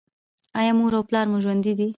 ایا مور او پلار مو ژوندي دي؟